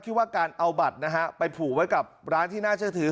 ว่าการเอาบัตรนะฮะไปผูกไว้กับร้านที่น่าเชื่อถือ